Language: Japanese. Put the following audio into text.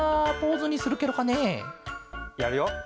やるよ。